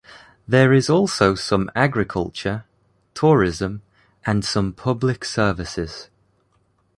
There is also some agriculture, tourism, and some public services.